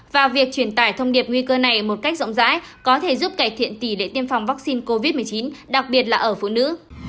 và việc truyền tải thông điệp nguy cơ này một cách rộng rãi có thể giúp cải thiện tỷ lệ tiêm phòng vaccine covid một mươi chín đặc biệt là ở phụ nữ